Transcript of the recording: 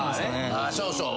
そうそう。